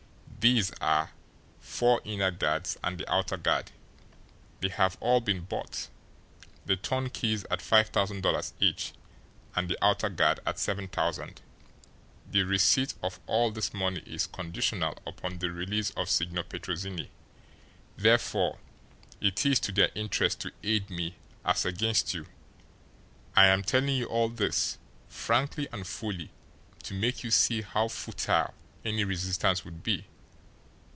"These are four inner guards and the outer guard. They have all been bought the turnkeys at five thousand dollars each, and the outer guard at seven thousand. The receipt of all of this money is conditional upon the release of Signor Petrozinni, therefore it is to their interest to aid me as against you. I am telling you all this, frankly and fully, to make you see how futile any resistance would be."